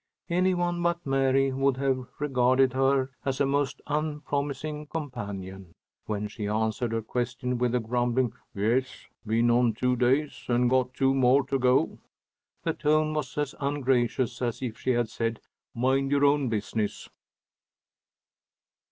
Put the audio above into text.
Any one but Mary would have regarded her as a most unpromising companion, when she answered her question with a grumbling "Yes, been on two days, and got two more to go." The tone was as ungracious as if she had said, "Mind your own business."